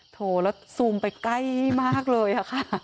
โถแล้วซูมไปใกล้มากเลยค่ะ